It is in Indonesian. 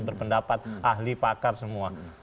berpendapat ahli pakar semua